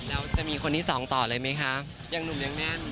แล้วจะมีคนที่สองต่อเลยไหมคะยังหนุ่มยังแน่น